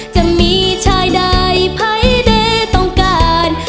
จะมีชายใดภัยเด้ต้องการ